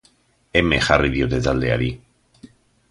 Eme jarri diote taldeari.